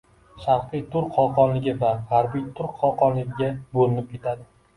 Sharqiy turk xoqonligi va g‘arbiy turk xoqonligiga bo‘linib ketadi.